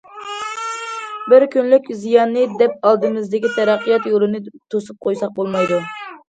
بىر كۈنلۈك زىياننى دەپ ئالدىمىزدىكى تەرەققىيات يولىنى توسۇپ قويساق بولمايدۇ.